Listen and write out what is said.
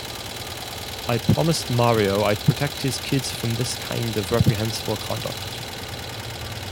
I promised Mario I'd protect his kids from this kind of reprehensible conduct.